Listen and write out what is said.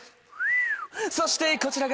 そしてこちらが。